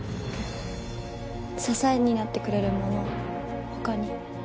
支えになってくれるもの他に。